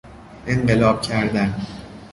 انقلاب کردن